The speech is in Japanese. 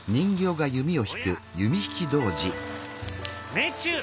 命中！